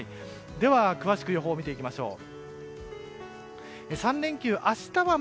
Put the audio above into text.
では、詳しく予報を見ていきましょう。